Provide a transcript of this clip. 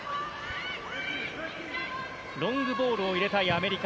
ロングボールを入れたいアメリカ。